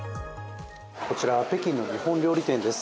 こちら、北京の日本料理店です。